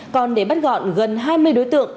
còn để bắt gọn gần hai mươi đối tượng